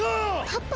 パパ？